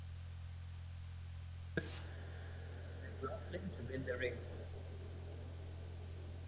Fellows held off Michael McLaughlin to win the race.